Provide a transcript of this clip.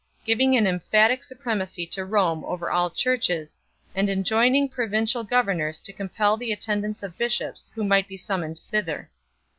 giving an emphatic supremacy to Rome over all Churches, and enjoining provincial governors to compel the attendance of bishops who might be summoned thither 3